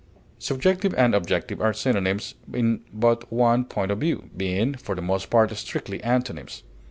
Subjective and objective are synonyms in but one point of view, being, for the most part, strictly antonyms.